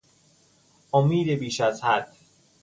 امید بیش از حد